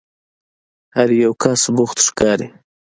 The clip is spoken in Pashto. هر یو کس بوخت ښکاري.